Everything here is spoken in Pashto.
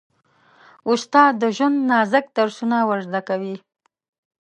استاد د ژوند نازک درسونه ور زده کوي.